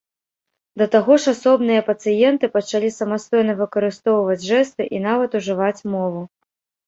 Да таго ж асобныя пацыенты пачалі самастойна выкарыстоўваць жэсты і нават ужываць мову.